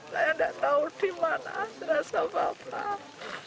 saya tidak tahu di mana terasa bapak